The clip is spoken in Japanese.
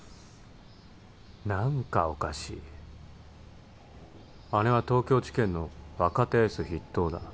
何かおかしい姉は東京地検の若手エース筆頭だ